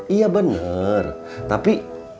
iya bener tapi